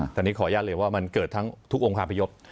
ตอนนี้ขออนุญาตเลยว่ามันเกิดทั้งทุกองค์คาพยพ